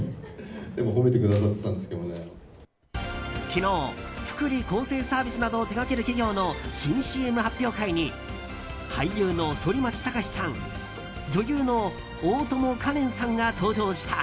昨日、福利厚生サービスなどを手掛ける企業の新ＣＭ発表会に俳優の反町隆史さん女優の大友花恋さんが登場した。